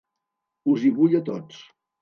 Us hi vull a tots.